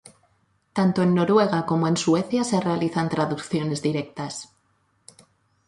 Tanto en Noruega como en Suecia se realizan traducciones directas.